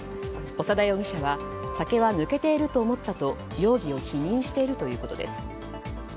長田容疑者は酒は抜けていると思ったと容疑を否認しているということです。